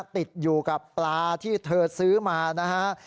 ติดอยู่กับปลาที่เธอซื้อมานะฮะ